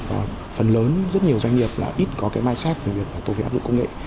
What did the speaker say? và phần lớn rất nhiều doanh nghiệp là ít có cái mindset về việc tổ chức áp dụng công nghệ